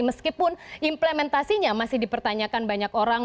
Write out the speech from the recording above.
meskipun implementasinya masih dipertanyakan banyak orang